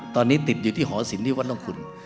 ตอนนี้ติดอยู่ที่หอศิลปที่วัดน้องคุณ